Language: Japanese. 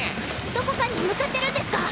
どこかに向かってるんですか？